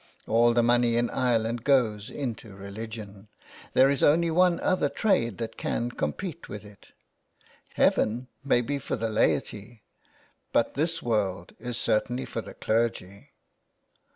All the money in Ireland goes into religion. There is only one other trade that can compete with it. Heaven may be for the laity, but this world is certainly for the clergy."